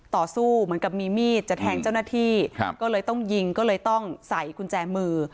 ต่อสู้เหมือนกับมีมีดจะแทงเจ้าหน้าที่ก็เลยต้องยิงก็เลยต้องใส่กุญแจมือ